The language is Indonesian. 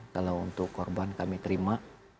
kalau untuk korban kami terima